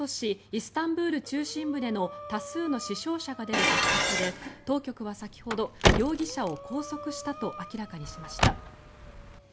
イスタンブール中心部での多数の死傷者が出る爆発で当局は先ほど容疑者を拘束したと明らかにしました。